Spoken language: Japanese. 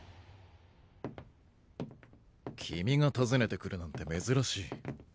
君が訪ねてくるなんて珍しい。